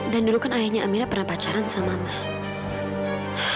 dan dulu kan ayahnya amira pernah pacaran sama mamah